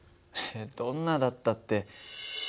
どんなだったって。